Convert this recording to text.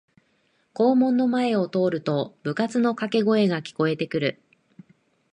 校門の前を通ると部活のかけ声が聞こえてくる